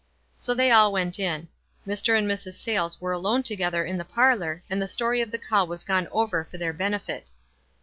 So they all went in. Mr. and Mrs. Sayles were alone together in the parlor, and the story of the call was gone over for their benefit.